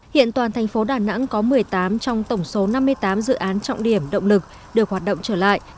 hiện toàn thành phố đà nẵng có một mươi tám trong tổng số năm mươi tám dự án trọng điểm động lực được hoạt động trở lại